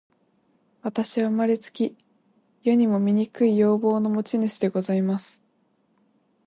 私は生れつき、世にも醜い容貌の持主でございます。